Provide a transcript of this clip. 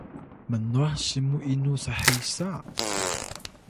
mnwah simuw inu shesa?